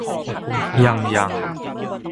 ยังยัง